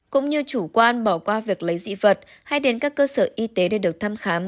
cũng như chủ quan bỏ qua việc lấy dị vật hay đến các cơ sở y tế để được thăm khám